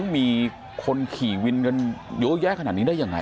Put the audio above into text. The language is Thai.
มีคนขี่วินกันเยอะแยะขนาดนี้ได้ยังไง